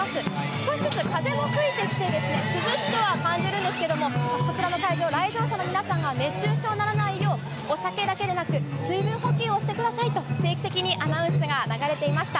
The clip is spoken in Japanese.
少しずつ風も吹いてきて、涼しくは感じるんですけども、こちらの会場、来場者の皆さんが熱中症にならないよう、お酒だけでなく、水分補給をしてくださいと、定期的にアナウンスが流れていました。